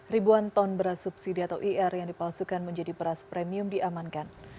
ribuan ton beras subsidi atau ir yang dipalsukan menjadi beras premium diamankan